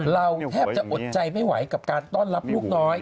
เราแทบจะอดใจไม่ไหวกับการต้อนรับลูกน้อย